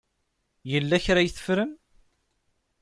Yella kra ay teffrem?